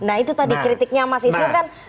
nah itu tadi kritiknya mas isnur kan